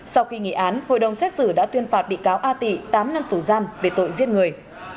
sau khi nghỉ án hội đồng xét xử đã tuyên phạt bị cáo a tị tám năm tù giam về tội giết người